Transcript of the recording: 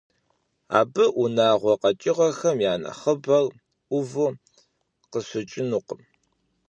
Абы унагъуэ къэкӀыгъэхэм я нэхъыбэр Ӏуву къыщыкӀынукъым.